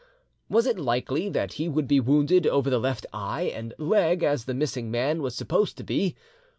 Was it likely that he would be wounded over the left eye and leg as the missing man was supposed to be?